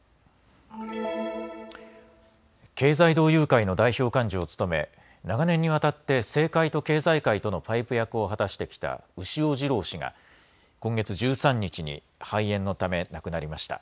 経済同友会の代表幹事を務め長年にわたって政界と経済界とのパイプ役を果たしてきた牛尾治朗氏が今月１３日に肺炎のため亡くなりました。